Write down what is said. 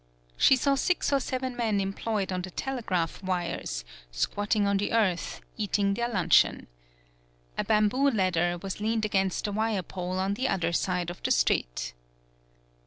She saw six or seven men employed on the telegraph wires, squatting on the earth, eating their luncheon. A bam boo ladder was leaned against a wire pole on the other side of the street.